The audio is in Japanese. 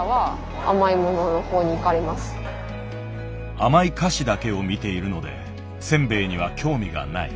甘い菓子だけを見ているのでせんべいには興味がない。